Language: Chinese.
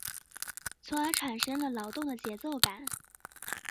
从而产生了劳动的节奏感。